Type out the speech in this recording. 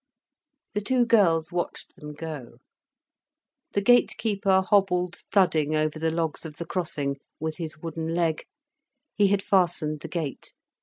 The two girls watched them go. The gate keeper hobbled thudding over the logs of the crossing, with his wooden leg. He had fastened the gate.